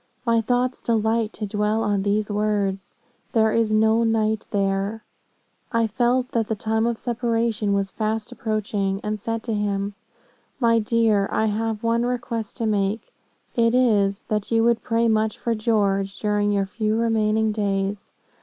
My thoughts delight to dwell on these words, There is no night there.' "I felt that the time of separation was fast approaching, and said to him, 'My dear, I have one request to make; it is, that you would pray much for George, during your few remaining days.